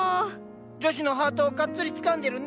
女子のハートをがっつりつかんでるね！